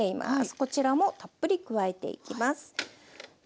こちらもたっぷり加えていきます。